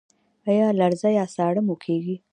ایا لرزه یا ساړه مو کیږي؟